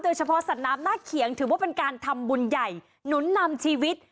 เฉพาะสัตว์น้ำหน้าเขียงถือว่าเป็นการทำบุญใหญ่หนุนนำชีวิต